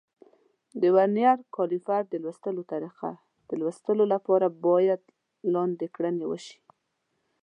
د ورنیر کالیپر د لوستلو طریقه: د لوستلو لپاره باید لاندې کړنې وشي.